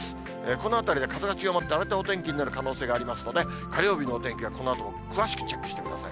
この辺りで風が強まって荒れたお天気になる可能性がありますので、火曜日のお天気は、このあとも詳しくチェックしてください。